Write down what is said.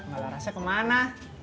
gak ada rasanya kemana